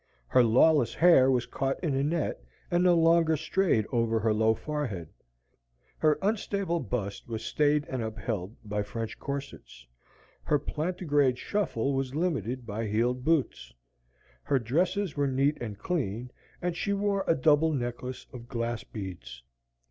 Her lawless hair was caught in a net, and no longer strayed over her low forehead. Her unstable bust was stayed and upheld by French corsets; her plantigrade shuffle was limited by heeled boots. Her dresses were neat and clean, and she wore a double necklace of glass beads.